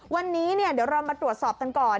วันนี้เดี๋ยวเรามาตรวจสอบกันก่อน